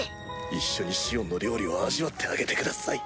一緒にシオンの料理を味わってあげてください。